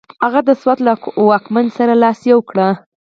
هغه د سوات له واکمن سره لاس یو کړ.